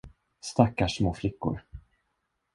Stackars små flickor.